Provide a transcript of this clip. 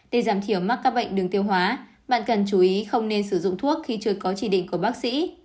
để giảm thiểu mắc các bệnh đường tiêu hóa bạn cần chú ý không nên sử dụng thuốc khi chưa có chỉ định của bác sĩ